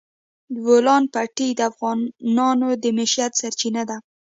د بولان پټي د افغانانو د معیشت سرچینه ده.